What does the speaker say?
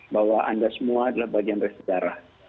bahwa anda semua adalah bagian dari sejarah